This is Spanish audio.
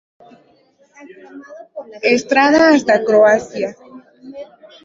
Estrada hasta Croacia.